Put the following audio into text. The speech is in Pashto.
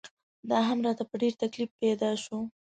دا هم راته په ډېر تکلیف پیدا شو.